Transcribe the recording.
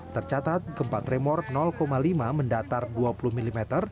tercatat gempa tremor lima mendatar dua puluh mm